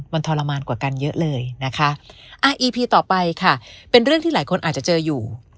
มันทรมานกว่ากันเยอะเลยนะคะอ่าอีพีต่อไปค่ะเป็นเรื่องที่หลายคนอาจจะเจออยู่